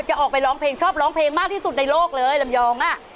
จะออกไปร้องเพลงชอบร้องเพลงมากที่สุดในโลกเลยลำยองอ่ะ